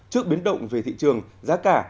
trước biến động về thị trường giá cả